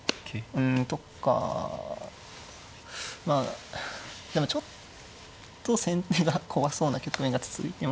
うんとかまあでもちょっと先手が怖そうな局面が続いてますよね。